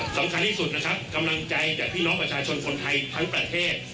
สำคัญที่สุดนะครับกำลังใจจากพี่น้องประชาชนคนไทยทั้งประเทศ